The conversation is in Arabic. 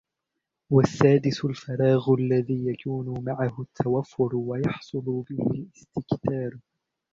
وَالسَّادِسُ الْفَرَاغُ الَّذِي يَكُونُ مَعَهُ التَّوَفُّرُ وَيَحْصُلُ بِهِ الِاسْتِكْثَارُ